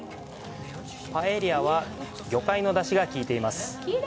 パエリアは魚介の出汁が効いています。